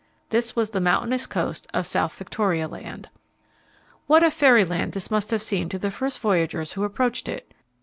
This was the mountainous coast of South Victoria Land. What a fairyland this must have seemed to the first voyagers who approached it!